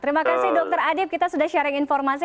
terima kasih dokter adib kita sudah sharing informasi